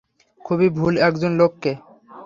খুবই ভুল একজন লোককে।